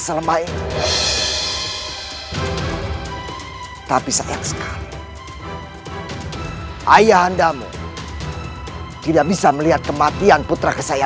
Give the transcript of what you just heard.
sampai jumpa di video selanjutnya